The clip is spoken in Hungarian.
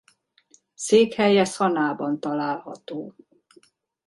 Székhelye Szanaaban található.